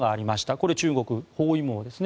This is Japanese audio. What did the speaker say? これ、中国包囲網ですね。